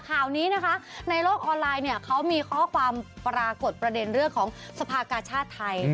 ข่าวนี้นะคะในโลกออนไลน์เนี่ยเขามีข้อความปรากฏประเด็นเรื่องของสภากาชาติไทย